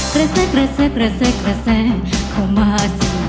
กระแสกระแสกระแสกระแสเข้ามาสิ